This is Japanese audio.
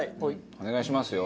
お願いしますよ。